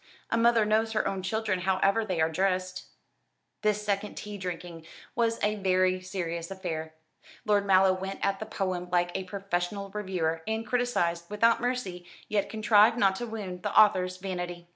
A mother knows her own children however they are dressed." This second tea drinking was a very serious affair. Lord Mallow went at the poem like a professional reviewer, and criticised without mercy, yet contrived not to wound the author's vanity.